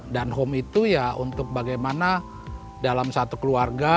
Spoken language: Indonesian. dan home itu ya untuk bagaimana dalam satu keluarga